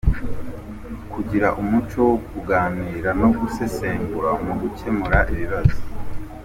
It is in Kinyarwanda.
• Kugira umuco wo kuganira no gusesengura mu gukemura ibibazo.